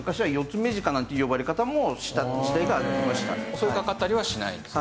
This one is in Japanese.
襲いかかったりはしないんですか？